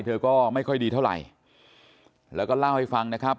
เธอก็ไม่ค่อยดีเท่าไหร่แล้วก็เล่าให้ฟังนะครับ